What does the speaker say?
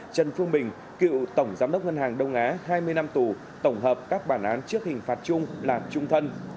trần phương bình cựu tổng giám đốc ngân hàng đông á hai mươi năm tù tổng hợp các bản án trước hình phạt chung là trung thân